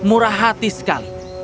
murah hati sekali